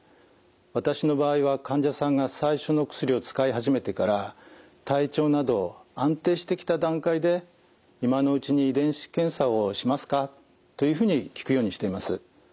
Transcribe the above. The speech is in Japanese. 私の場合は患者さんが最初の薬を使い始めてから体調など安定してきた段階で「今のうちに遺伝子検査をしますか？」というふうに聞くようにしています。